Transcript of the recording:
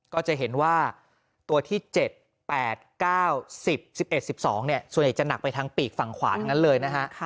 ก็จะเห็นว่าตัวที่๗๘๙๑๐๑๑๑๑๒ส่วนใหญ่จะหนักไปทางปีกฝั่งขวาทั้งนั้นเลยนะฮะ